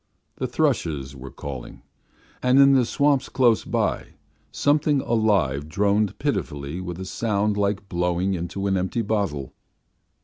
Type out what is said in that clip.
The thrushes were calling, and in the swamps close by something alive droned pitifully with a sound like blowing into an empty bottle.